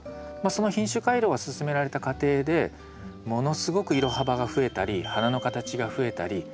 その品種改良が進められた過程でものすごく色幅が増えたり花の形が増えたり